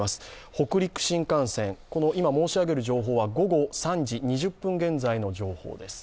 北陸新幹線、今申し上げる情報は午後３時２０分現在の情報です。